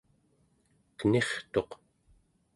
kenirtuq